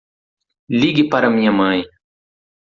Ligue para minha mãe.